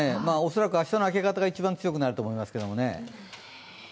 恐らく明日の明け方が一番強くなると思いますけどね。